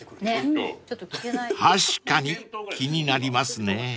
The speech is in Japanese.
［確かに気になりますね］